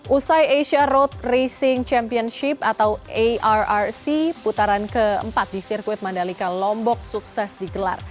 usai asia road racing championship atau arrc putaran keempat di sirkuit mandalika lombok sukses digelar